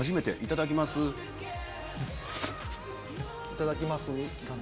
いただきます。